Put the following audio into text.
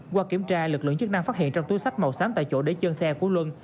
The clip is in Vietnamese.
qua kiểm tra lực lượng chức năng phát hiện trong túi sách màu xám tại chỗ để chân xe của luân